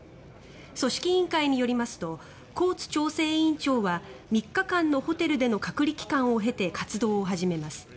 組織委員会によりますとコーツ調整委員長は３日間のホテルでの隔離期間を経て活動を始めます。